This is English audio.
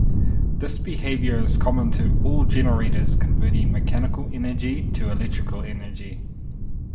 This behavior is common to all generators converting mechanical energy to electrical energy.